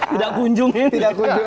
tidak kunjung ini